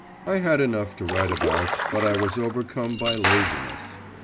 I had enough to write about but I was overcome by laziness.